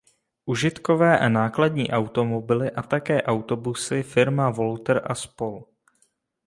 Užitkové a nákladní automobily a také autobusy firma Walter a spol.